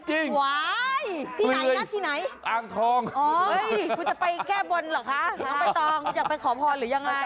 เฮ้ยคุณจะไปแก้วนหรอคะอ้างทองคุณอยากไปขอพรหรือยังไง